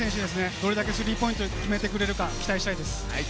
どれだけスリーポイントを決めてくれるか期待したいです。